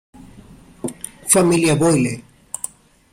Familia Boyle